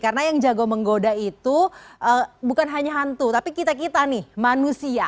karena yang jago menggoda itu bukan hanya hantu tapi kita kita nih manusia